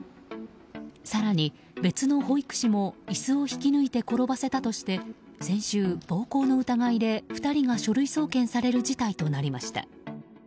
更に別の保育士も椅子を引き抜いて転ばせたとして先週、暴行の疑いで２人が書類送検される事態となりました。